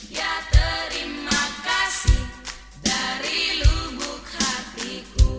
ya terima kasih dari lubuk hatiku